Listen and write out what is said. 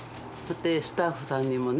スタッフさんにもね